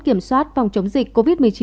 kiểm soát phòng chống dịch covid một mươi chín